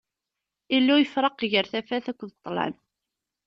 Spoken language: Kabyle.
Illu yefṛeq gar tafat akked ṭṭlam.